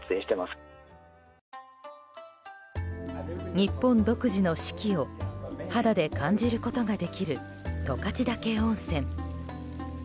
日本独自の四季を肌で感じることができる十勝岳温泉。